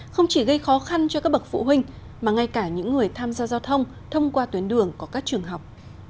không chỉ gây khó khăn cho các bậc phụ huynh mà ngay cả những người tham gia giao thông thông qua tuyến đường có các trường học